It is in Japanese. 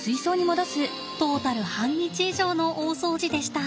トータル半日以上の大掃除でした。